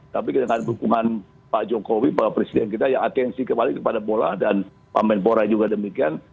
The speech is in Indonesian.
tapi dengan dukungan pak jokowi pak presiden kita ya atensi kembali kepada bola dan pak menpora juga demikian